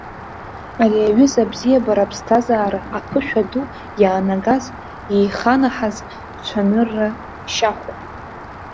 Ари аҩыза абзиабара аԥсҭазаара аԥышәа ду иаанагаз, иеиханаҳаз цәанырра шьахәуп.